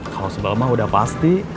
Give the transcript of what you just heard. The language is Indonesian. kalo sebelah mah udah pasti